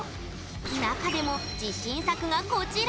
中でも自信作が、こちら。